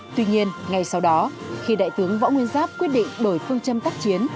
tuy nhiên ngay sau đó khi đại tướng võ nguyên giáp quyết định đổi phương châm tác chiến